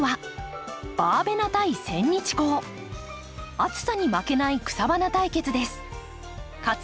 暑さに負けない草花対決です。